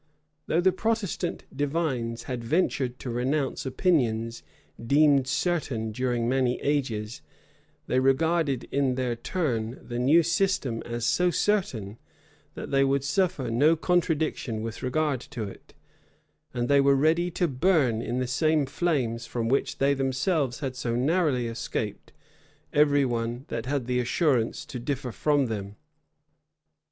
Though the Protestant divines had ventured to renounce opinions deemed certain during many ages, they regarded, in their turn, the new system as so certain, that they would suffer no contradiction with regard to it; and they were ready to burn in the same flames from which they themselves had so narrowly escaped, every one that had the assurance to differ from them.